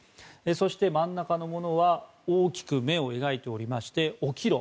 そして真ん中のものは大きく目を描いておりまして起きろ！